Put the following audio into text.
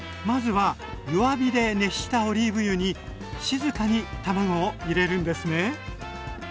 まずは弱火で熱したオリーブ油に静かに卵を入れるんですね。